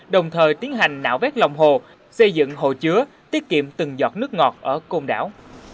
đồng thời tiến hành nạo vét lòng hồ xây dựng hồ chứa tiết kiệm từng giọt nước ngọt ở côn đảo